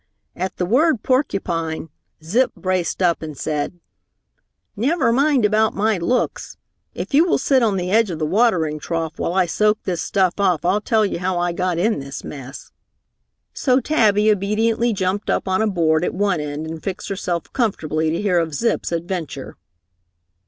At the word porcupine, Zip braced up and said, "Never mind about my looks! If you will sit on the edge of the watering trough while I soak this stuff off, I'll tell you how I got in this mess." So Tabby obediently jumped up on a board at one end and fixed herself comfortably to hear of Zip's adventure.